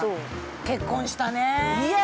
結婚したねー。